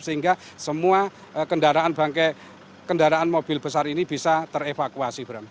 sehingga semua kendaraan bangke kendaraan mobil besar ini bisa ter evakuasi